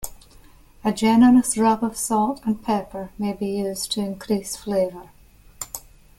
A generous rub of salt and pepper may be used to increase flavor.